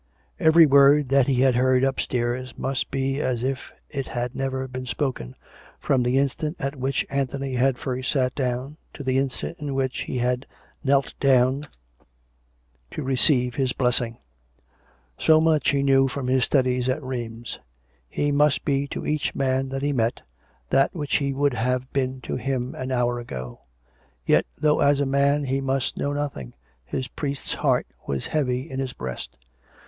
Every word that he had heard upstairs must be as if it had never been spoken, from the instant at which Anthony had first sat down to the instant in which he had kneeled down to receive his blessing. So much he knew from his studies at Rheims, COME RACK! COME ROPE! 273 He must be to each man that he met, that which he would have been to him an hour ago. Yet, though as a man he must know nothing, his priest's heart was heavy in his breast.